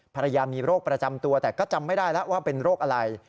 ภรรยามีโรคประจำตัวแต่ก็จำไม่ได้แล้วว่าเป็นโรคอะไร